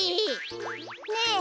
ねえ。